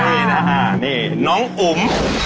นี่นะฮะนี่น้องอุ๋ม